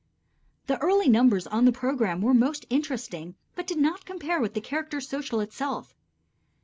The early numbers on the program were most interesting, but did not compare with the character social itself.